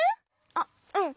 あっうん。